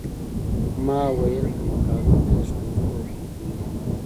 ما ویل په مقالو کې د ښکنځلو حقوق خوندي دي.